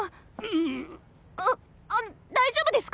ああの大丈夫ですか？